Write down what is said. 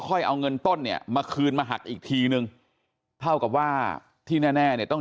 ค่อยเอาเงินต้นเนี่ยมาคืนมาหักอีกทีนึงเท่ากับว่าที่แน่ต้อง